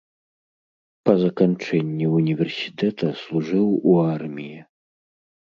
Па заканчэнні ўніверсітэта служыў у арміі.